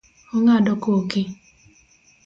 Ong'ado koke